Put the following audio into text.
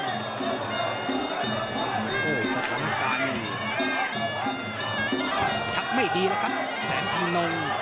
อ้อนโคสถานภารณ์ใช้ไม่ดีแล้วครับแสนทานนง